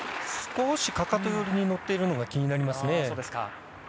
少しかかと寄りに乗っているのが気になりますね。